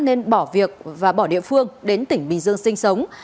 nên bỏ việc và bỏ địa phương đến tỉnh bình dương sinh sống